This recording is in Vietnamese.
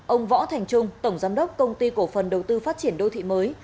ông võ thành trung tổng giám đốc công ty cổ phần đầu tư phát triển đô thị mới